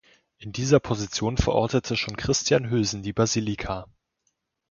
In dieser Position verortete schon Christian Hülsen die Basilika.